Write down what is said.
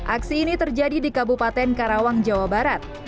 aksi ini terjadi di kabupaten karawang jawa barat